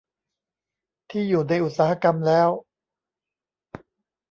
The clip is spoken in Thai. ที่อยู่ในอุตสาหกรรมแล้ว